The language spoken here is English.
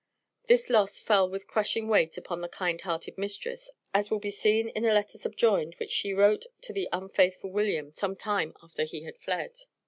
This loss fell with crushing weight upon the kind hearted mistress, as will be seen in a letter subjoined which she wrote to the unfaithful William, some time after he had fled.